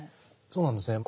そうなんですね。